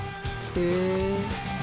へえ。